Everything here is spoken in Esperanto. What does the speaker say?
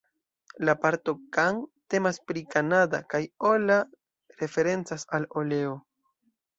La parto "Can" temas pri Canada kaj "ola" referencas al oleo.